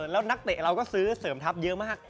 แล้วนักเตะเราก็ซื้อเสริมทัพเยอะมาก